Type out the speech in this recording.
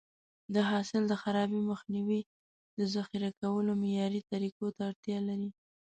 د حاصل د خرابي مخنیوی د ذخیره کولو معیاري طریقو ته اړتیا لري.